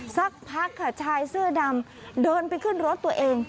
สักพักค่ะชายเสื้อดำเดินไปขึ้นรถตัวเอง